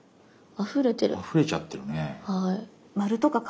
あふれちゃってるね。